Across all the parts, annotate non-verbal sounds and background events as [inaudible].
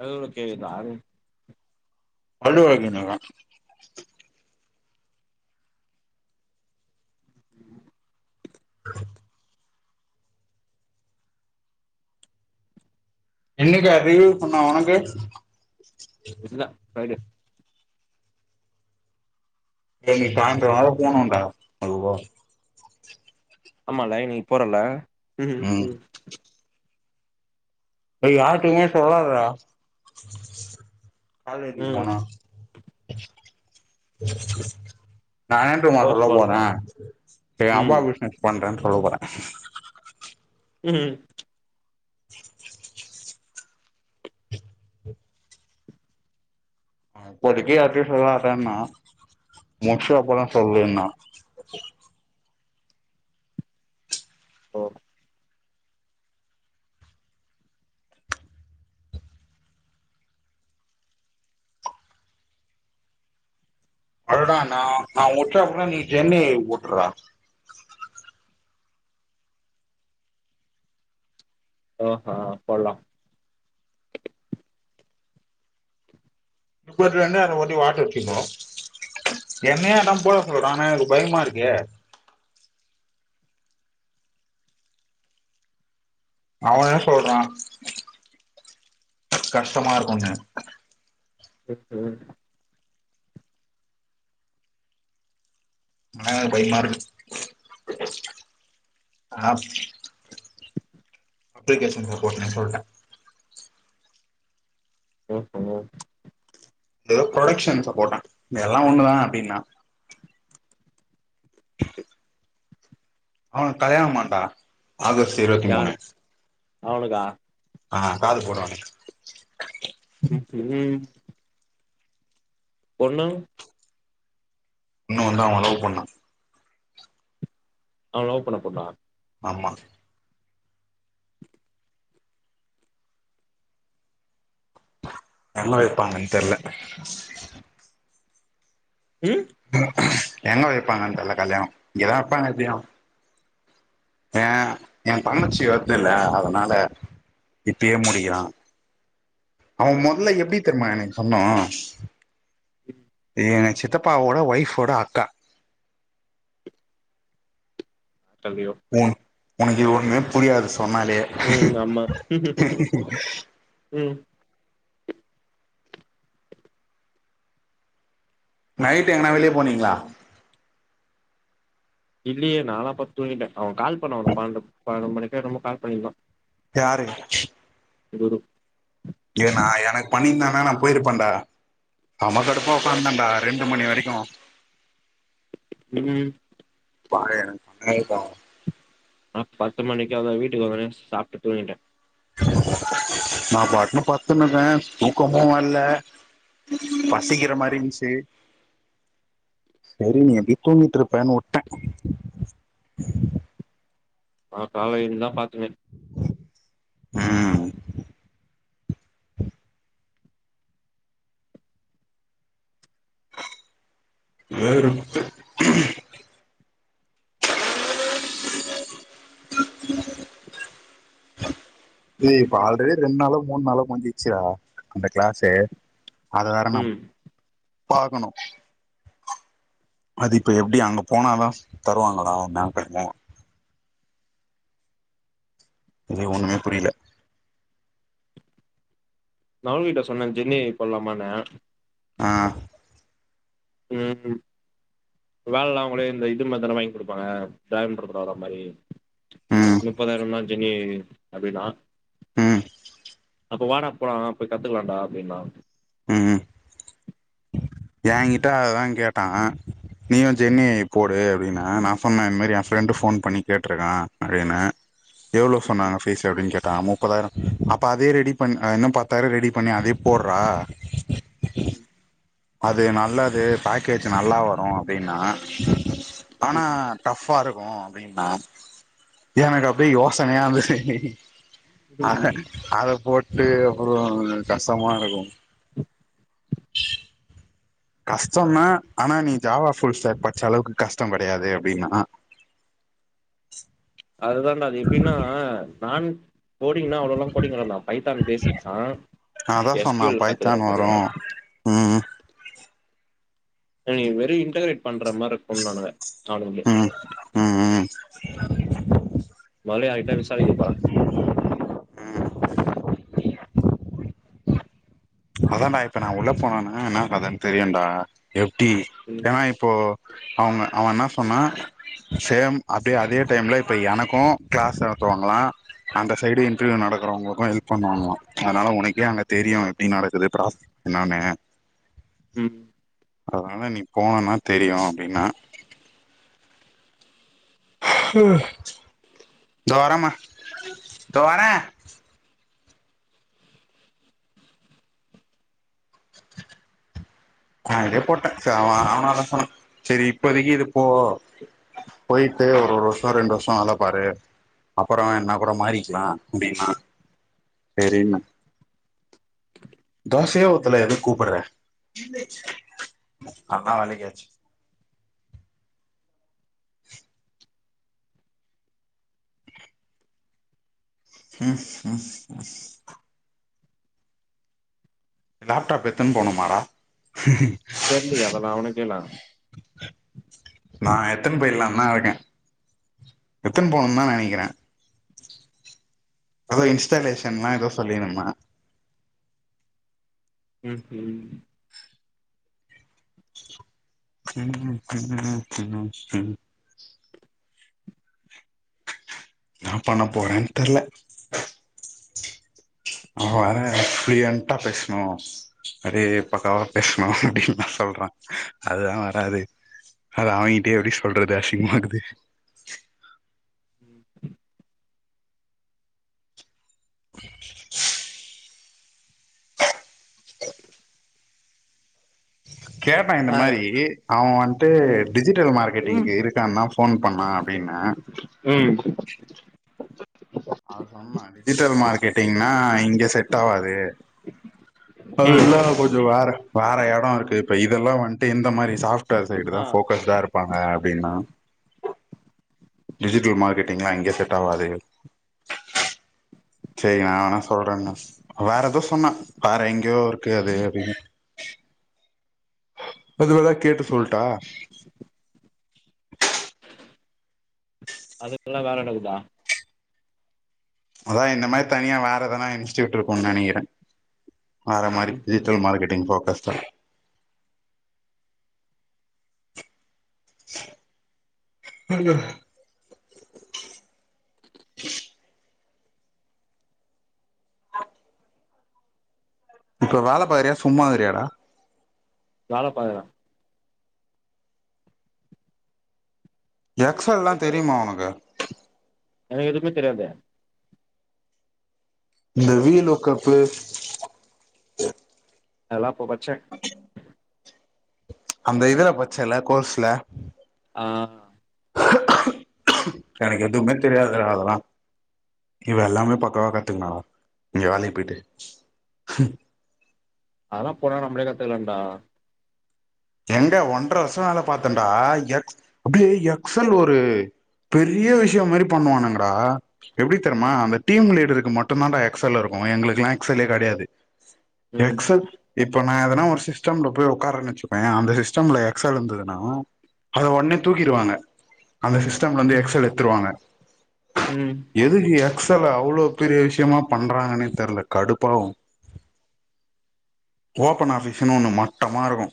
அது ஓகே தாரு [unintelligible] வழு எழுதி இருந்தீங்க [unintelligible] [inaudible] [inaudible] என்னக்கு அதே சொண்ணா உனக்கு எஸ்டர்டே ஃபிரைடே ஏ இன்னைக்கு சாயந்திரோ வேற போனுடா அதுவு ஆமால லைன்நீ போறல ம் ம் இத யார்ட்டமே சொல்லாதடா காலேஜ்கு ம் போன [unintelligible] போஸ்ட் சொல்ல போறே போடலா எங்க அப்பா ம் பிசினஸ் பண்றேன்னு சொல்ல போறே ம் அப்போதிக்கு யார்ட்டயு சொல்லாதன்னா முடிச்ச அப்றோ சொல்லுன்னா ஓ அடடா நா முடிச்சப்பரோ நீ சென்னை ஒட்டுறா ஆ ஆ போலாம் [inaudible] முப்பத்து ரெண்டு அது ஒட்டி வாட்டர் கிண்ணோ [unintelligible] என்னயு அதா போட சொல்றா ஆனா எனக்கு பயமா இருக்கே அவ என்ன சொல்றா கஷ்டமா இருக்குனு ம் ம் ஆனா எனக்கு பயமா இருக்கு ஆ அப்ளிகேஷன் போடனுன்னு சொல்ட்ட ஓ ஓ எதோ ப்ரொடக்க்ஷன் சப்போட்டா எல்லா ஒண்ணுதா அப்டின்னா [inaudible] அவனுக்கு கல்யாணோமாடா ஆகஸ்ட் இருவத்தி மூணு அவளுக்கா ஆ கால் போட்ரானே ம் ஒண்ணு இன்னொன்னு அவ அல்லோ பண்ணா அவ லவ் பண்ண பொண்ணா ஆமா எங்க வெய்ப்பாங்கன் தெர்ல ம் எங்க வெய்ப்பாங்க தெர்ல கல்யாணோ இங்கதா வெப்பாங்க எப்டியு ஏ எந்தங்கச்சி வர்துல்ல அதனால இப்பயே முடிக்கிறா அவ மொதல எப்டி தெரிமா எனக்கு சொன்னா ம் எங்க சித்தப்பாவோட ஒய்ஃபோட அக்கா தள்ளியோ உன் உனக்கு ஒன்மே புரியாது சொன்னாலே ம் ஆமா ம் நைட் எங்கனா வெளிய போனீங்ளா இல்லயே நால்லா பத் தூங்கிட்டே அவ கால் பண்ணா ஒரு பண்டு பன்னெண்டு மணிக்கா என்னமோ கால் பண்ணீர்ந்தா யாரு செரி விடு ஏனா எனக் பண்ணீர்ந்தானா நா போயிருப்பன்டா செமா கடுப்பா ஒக்காந்தன்டா ரெண்டு மணி வரிக்கு ம்ம் பாரே எனக் பண்ணீர்க்கா நா பத்து மணிக்காவே வீட்டுக் வந்தோன்னேயு சாப்ட்டு தூங்கிட்டே நா பாட்னு பத்துன்னுர்க்க தூக்கமு வர்ல பசிக்கிற மாரி இந்ச்சு செரி நீ எப்டியு தூங்கிட்ருப்பனு உட்டே நா கால்ல எழுந்துதா பாத்தனே ம் வேற புக்கு [inaudible] [inaudible] டே இப்ப ஆல்ரெடி ரெண் நாளோ மூண் நாளோ‌ முஞ்சிச்சுடா அந்த கிளாஸே அத வேற நா ம் பாக்கணு அது இப்போ எப்டி அங்க போனா தா தருவாங்களாடா மேம் பேர்ல இது ஒன்னுமே புரியில நானு வீட்லே சொன்னே ஜெம்னி ஏ ஐ போட்லாமானு ஆ ம் வேல்லா அவுங்களே இந்த இது மார் தான வாய்ங் குடுப்பாங்க பேங்ல்ருக்கற வேல மாரி ம் முப்பதாய்ரோன்னா ஜெம்னி ஏ ஐ அப்டின்னா ம் அப்ப வாடா போலா போய் கத்துக்கலான்டா அப்டின்னா ம் ம் ஏங்கிட்ட அததா கேட்டா நீயு ஜெம்னி ஏ ஐ போடு அப்டின்னா நா சொன்னே இந் மாரி எ ஃப்ரெண்டு ஃபோன் பண்ணி கேட்ருக்கா நெறையனு எவ்ளோ ம் சொன்னாங்க ஃபீஸ் அப்டின் கேட்டா முப்பதாய்ரோ அப்ப அதே ரெடி பண் அ இன்னு பத்தாய்ரோ ரெடி பண்ணி அதே போட்றா ம் அது நல்லது பேக்கேஜ் நல்லா வரு அப்டின்னா ஆனா ம் டஃப்யா இருக்கு அப்டின்னா எனக்கு அப்டி யோசனையா இருந்து ம் அதே போட்டு அப்புறோ கஷ்டமா இருக்கு கஷ்டோந்தா ஆனா நீ ஜாவா ஃபுல் ஸ்டேக் படிச்ச அளவுக்கு கஷ்டோ கிடையாது அப்டின்னா அதுதான்டா அது எப்டின்னா நான் கோடிங்னா அவ்ளோலா கோடிங் வராதா பைத்தான் பேசிக்ஸ்ஸா அதா எஸ் சொன்னா பி எல் கத்துக்குற பைத்தான் வரு மாதியா ம் மாரி வெறு இன்டகரேட் பண்ற மாரி இருக்குன்றானுங்க அவனுங்ளே ம் ம் ம் பழய ஆய்ட்டா விசாரிக்கப்போற அதான்டா இப்ப நா உள்ள போனனா என்ன கதனு தெரியுடா எப்டி ம் ஏன்னா இப்போ அவங்க அவ இன்ன சொன்னா சேம் அதே அதே டைம்ல இப்ப எனக்கு கிளாஸ் நடத்துவாங்ளா அந்த சைடு இன்டர்வியூ நடக்கறவங்களுக்கு ஹெல்ப் பண்ணுவாங்ளா அதனால உனக்கே அங்க தெரியு ப்டி நடக்குது ப்ராஸஸ் என்னான்னு ம் அதனால நீ போனனா தெரியு அப்டின்னா இதோ வரேன்மா வரேன் நா இதே போட்டே ச அவ அவனு அதா சொன்ன சரி இப்பதைக்கு இது போ போயிட்டு ஒரு ஒர்வருஷ ரெண்டு வருஷ ஆலப்பாரு அப்பற என்ன கூடா மாறிக்கலா அப்டின்னா வேறென்ன... தோசையே ஊத்தளே எதுக்கு கூப்டாரே அதா வேலக்கு ஆச்சு ஹ்ஹ லேப்டாப் எத்துன்னு போனுமாடா தெர்லியா வெ வெ அவன கேலே நா எத்தின் போயிட்லா தா இருக்கே எத்துன் போணுன் தா நெனைக்கிறே ஏதோ இன்ஸ்டாலேஷன்ன ஏதோ சொல்லியிருந்தா ம் ம் [unintelligible] இன்ன பண்ண போறேன் தெர்ல அங்க வேற புளுயண்டா பேச்ணு அப்டியே பக்கவா பேச்ணு சொல்ற அதுதா வராது அத அவங்கிட்டே எப்டி சொல்றது அசிங்மாக்குது ம் கேப்ப இந்த ஆ மாரி அவ வன்ட்டு ம் டிஜிட்டல் ம் மார்க்கெட்டிங்கு இருக்கான்னா ஃபோன் பண்ணா அப்டின்ன ம் அது சொன்னா டிஜிட்டல் மார்க்கெட்டிங்னா இங்க செட் ஆவாது அது ம் இல்ல கொஞ்ச வேற வேற இடோ இருக்கு இப்ப இதெல்லா வன்ட்டு எந்த மாரி சாப் டா சைடு ஆ தா ஃபோகஸ் தா இரு பாங்க அப்டின்னா டிஜிட்டல் மார்க்கெட்டிங்லா இங்க செட் ஆவாது சேரி நா வேனா சொல்றேன்ன வேற ஏதோ சொன்னா வேற எங்கேயோ இருக்கு அது அப்டின்னு அதுவேதாது கேட்டு சொல்ட்டா அதெல்லா வேலனடுக்குதா அதா இந்த மாரி தனியா வேற இதனா இன்ஸ்டியூட் இருக்குன்னு நெனைக்கிறே அதமாரி ம் ம் டிஜிட்டல் மார்கெட்டிங் போக்கஸ் தா [unintelligible] இப்போ வேல பாக்குறியா சும்மாருக்கிறியாடா வேலபாக்குற எக்ஸோலா தெரியுமா உனக்கு எனக்கு எதுவுமே தெரியாதே இந்த ரீலோக்கப்பு அதெல்லா போ பச்சே அந்த இதுல பட்ச்சேல்ல கோர்ஸ்ல ஆ எனக்கு எதுவுமே தெரியாது அதெல்லா இவ எல்லாமே பக்கவா கத்துங்கனா இங்க வேலைக்கி போயிட்டு அதெல்லா போனா நம்மளே கத்துக்கலான்டா எங்க ஒன்ற வருஷோ வேல பாத்தேன்டா எக்ஸ் அப்டியே எக்ஸன் ஒரு பெரிய விஷ்யோ மாதிரி பண்ணுவானுங்கடா எப்பிடித்தெருமா அந்த டீம் லீடருக்கு மட்டு தான்டா எக்ஸல் இருக்கு எங்களுக்கெல்லா எக்ஸல்லே கெடையாது ம் எக்ஸல் இப்ப நா எதனா ஒரு சிஸ்டம்ல போய் உக்காரன் வச்சிக்கோ அ அந்த சிஸ்டம்ல எக்ஸல் இருந்ததுன்னா அத ஒடனே தூக்கிடுவாங்க அந்த சிஸ்டம்லருந்து ம் எக்ஸல் எடுத்துருவாங்க ம் எதுக்கு எக்ஸல அவ்ளோ பெரிய விஷ்யமா பண்றாங்கன்னே தெரில கடுப்பாவு ஓப்பன் ஆஃபிஸ்ன்னு ஒன்னு மட்டமாருக்கு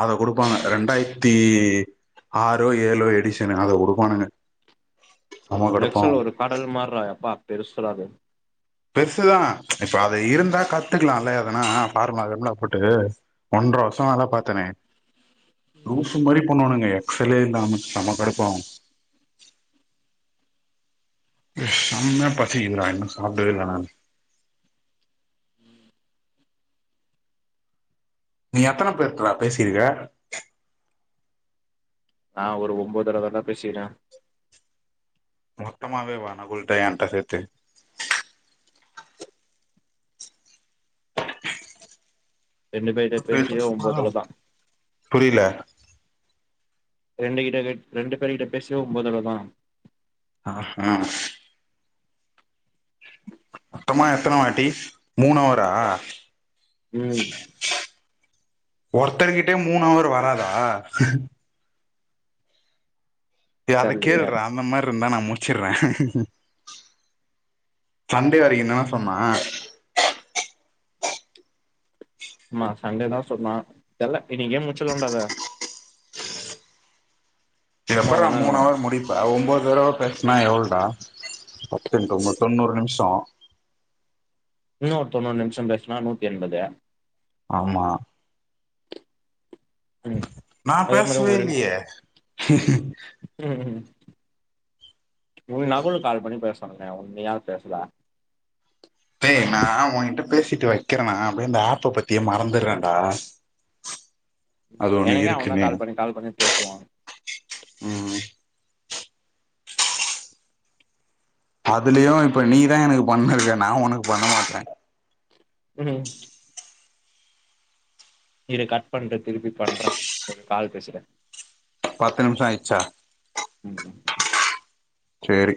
அத குடுப்பாங்க ரெண்டாயிரத்தி ஆறோ ஏழுோ எடிஷனு அத குடுப்பானுங்க செம கடுப்பாவு எக்ஸல் ஒரு கடல் மார்றா எப்பா பெருசுடா அது பெருசுதா இப்ப அது இருந்தா கத்துக்கலால்ல எதுனா ஃபார்மலா போட்டு ஒன்ற வருஷோ வேல பாத்தனே லூசு மாரி பண்ணுவாணுங்க எக்ஸ்லே இந்தாமைச்சு செம கடுப்பாகு ம் செம்மையா பசிக்குதுடா இன்னு சாப்பிடுடவே இல்ல நானு ம் நீ எத்தன பேருட்டடா பேசிருக்க நா ஒரு ஒம்போதுதடவ தான்டா பேசிறே மொத்தமாவே வேனா உன்ட என்ட்ட சேத்து ரெண்டு பேருட்ட பேசியே ஒம்பதுல தா புரியல ரெண்டு கிட்ட ரெண்டு பேருர்கிட்ட பேசிய ஒம்பதர தா ஆ ஹா மொத்தமா எத்தன வாட்டி மூணவரா ம் ஒருத்தருகிட்டயே மூணவரு வராதா ஏ அத தெர்லயே கேள்ரா அந்த மார்ருந்தா நா முடிச்சுர்றே சண்டே வரைக்கு தான சொன்னா? ஆமா சண்டேதா சொன்னா தெர்ல இன்னிக்கே முச்சுலாண்டா அத. இப்ப சும்மா எப்பட்றா தான்டா மூணு இருக்குறோ அவர் முடி ப்ப ஒம்போ தடவ பேசனா எவ்ள்டா? பத்து இன்டூ ஒம்போது தொண்ணூறு நிம்ஷோ. இன்னொரு தொண்ணூறு நிம்ஷம் பேசுனா நூத்தி எண்பது. ஆமா. ம் நா அதே மாரி பேசவே இல்லியே. உனுக்கு நகுலுக்கு கால் பண்ணி பேச சொன்னனே உன் நீ ஏ பேசல? டே நா உங்கிட்ட பேசிட்டு வெக்கிறனா அப்டியே இந்த ஆப்ப பத்தியே மறந்துர்றேன்டா. ம் எனக்கே அவந்தா கால் பண்ணி கால் பண்ணி பேசுவா. ம். அதுலியு இப்ப நீ தா எனக்கு பண்ணுருக்க நா உனுக்கு பண்ண மாட்றே. ம். இரு கட் பண்ட்டு திருப்பி பண்றே ஒரு கால் பேசிட்டு. பத்து நிம்ஷொ ஆய்ர்ச்சா? அதுதா. சேரி.